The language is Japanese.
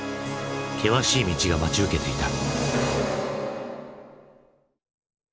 険しい道が待ち受けていた。